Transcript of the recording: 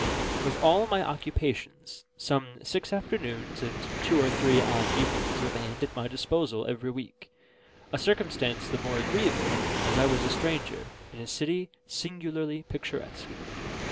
With all my occupations, some six afternoons and two or three odd evenings remained at my disposal every week: a circumstance the more agreeable as I was a stranger in a city singularly picturesque.